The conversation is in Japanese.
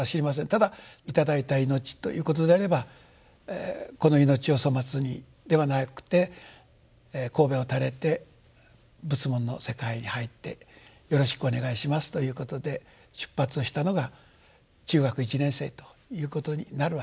ただ頂いた命ということであればこの命を粗末にではなくてこうべを垂れて仏門の世界に入ってよろしくお願いしますということで出発をしたのが中学１年生ということになるわけです。